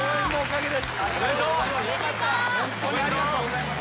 ありがとうございます。